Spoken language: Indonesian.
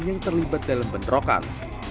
yang terlibat dalam penderokan